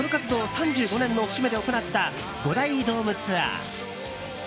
３５年の節目で行った５大ドームツアー。